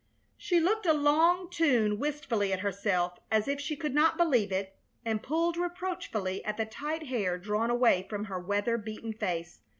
She looked a long tune wistfully at herself, as if she could not believe it, and pulled reproachfully at the tight hair drawn away from her weather beaten face.